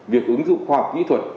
việc ứng dụng khoa học kỹ thuật